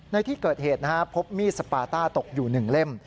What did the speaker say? ในที่เกิดเหตุพบมีดสปาต้าตกอยู่๑เล่ม